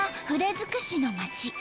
づくしの町。